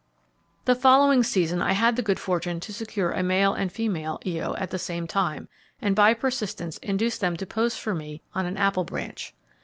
The following season I had the good fortune to secure a male and female Io at the same time and by persistence induced them to pose for me on an apple branch.